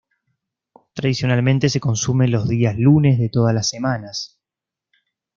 Tradicionalmente se consume los días lunes de todas las semanas.